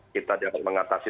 kita dapat mengatasi